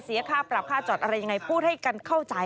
เสียบประบาทจอดอะไรอย่างไรพูดให้เข้าใจ